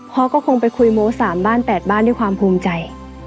พ่อก็คงไปคุยโม้๓บ้าน๘บ้านด้วยความภูมิใจ